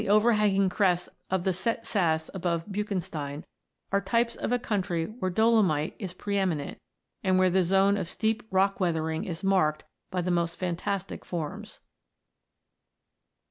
overhanging crests of the Sett Sass above Buchen stein, are types of a country where dolomite is pre eminent, and where the zone of steep rock weathering is marked by the most fantastic forms.